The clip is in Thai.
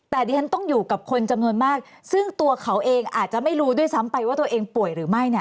แต่ดิฉันต้องอยู่กับคนจำนวนมากซึ่งตัวเขาเองอาจจะไม่รู้ด้วยซ้ำไปว่าตัวเองป่วยหรือไม่เนี่ย